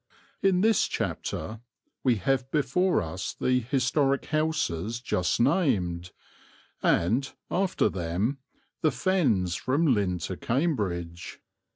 In this chapter we have before us the historic houses just named and, after them, the Fens from Lynn to Cambridge.